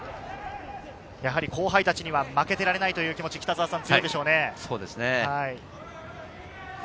後輩たちには負けていられないという気持ちが強いでしょうね。